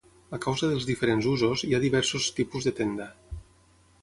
A causa dels diferents usos, hi ha diversos tipus de tenda.